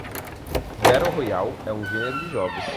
Battle Royale é um gênero de jogos.